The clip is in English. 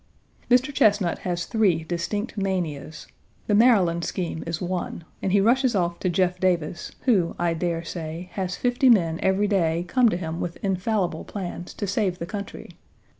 Mr. Chesnut has three distinct manias. The Maryland scheme is one, and he rushes off to Jeff Davis, who, I dare say, has fifty men every day come to him with infallible plans to save the country.